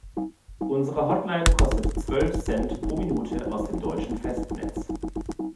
Unsere Hotline kostet zwölf Cent pro Minute aus dem deutschen Festnetz.